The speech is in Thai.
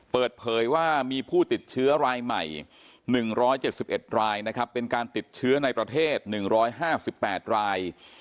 เปิดเผยว่ามีผู้ติดเชื้อรายใหม่๑๗๑รายนะครับเป็นการติดเชื้อในประเทศ๑๕๘ราย